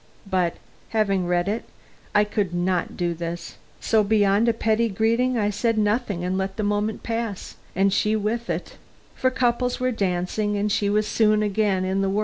But having read it, I could not do this; so, beyond a petty greeting, I said nothing and let the moment pass, and she with it; for couples were dancing and she was soon again in the whirl.